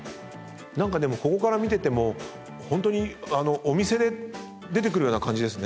何かここから見ててもホントにお店で出てくるような感じですね。